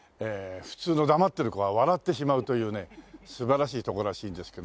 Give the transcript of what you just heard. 普通の黙ってる子は笑ってしまうというね素晴らしいとこらしいんですけどもね。